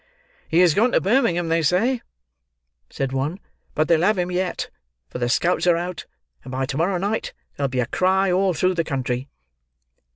"He has gone to Birmingham, they say," said one: "but they'll have him yet, for the scouts are out, and by to morrow night there'll be a cry all through the country."